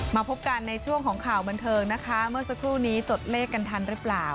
มาพบกันในช่วงของข่าวบันเทิงนะคะเมื่อสักครู่นี้จดเลขกันทันหรือเปล่า